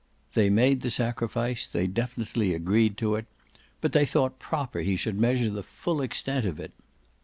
They made the sacrifice, they definitely agreed to it, but they thought proper he should measure the full extent of it.